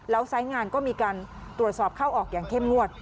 แล้วสายงานก็มีการตรวจสอบเข้าออกอย่างเข้มงวด